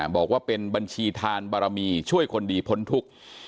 บอกว่าเป็นบัญชีทานบารมีช่วยคนดีพ้นทุกข์